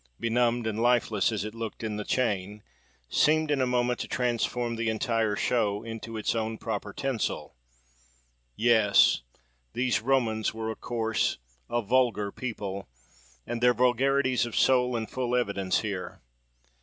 benumbed and lifeless as it looked in the chain, seemed, in a moment, to transform the entire show into its own proper tinsel. Yes! these Romans were a coarse, a vulgar people; and their vulgarities of soul in full evidence here.